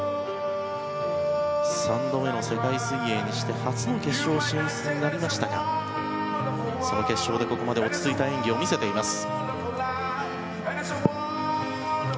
３度目の世界水泳にして初の決勝進出になりましたがその決勝でここまで落ち着いた演技を見せています。